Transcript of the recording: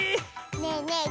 ねえねえ